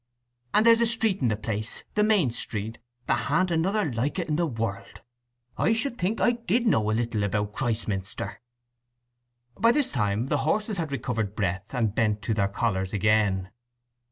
And there's a street in the place—the main street—that ha'n't another like it in the world. I should think I did know a little about Christminster!" By this time the horses had recovered breath and bent to their collars again.